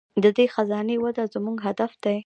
د دې خزانې وده زموږ هدف دی.